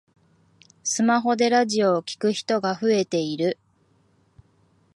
スマホでラジオを聞く人が増えている